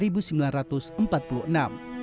pada tahun seribu sembilan ratus tiga puluh enam